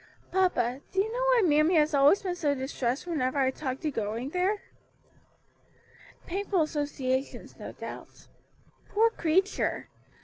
Papa, do you know why mammy has always been so distressed whenever I talked of going there?" "Painful associations, no doubt. Poor creature!